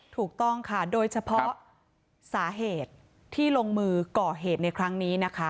ถูกต้องค่ะโดยเฉพาะสาเหตุที่ลงมือก่อเหตุในครั้งนี้นะคะ